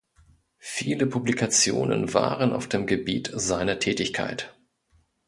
Viele Publikationen waren auf dem Gebiet seiner Tätigkeit.